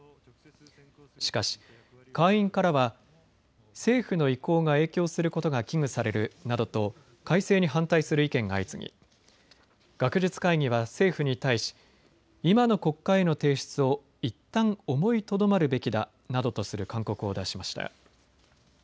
しかし会員からは政府の意向が影響することが危惧されるなどと改正に反対する意見が相次ぎ学術会議は政府に対し今の国会への提出をいったん思いとどまるべきだなどとする勧告を出しました。